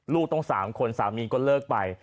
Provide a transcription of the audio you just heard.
ลูกต้อง๓คนสามีก็เลิกไป